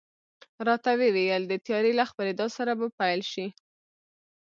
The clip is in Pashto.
راته وې ویل، د تیارې له خپرېدا سره به پیل شي.